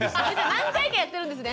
何回かやってるんですね？